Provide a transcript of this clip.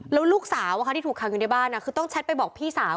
แล้วลูกสาวที่ถูกขังอยู่ในบ้านคือต้องแชทไปบอกพี่สาว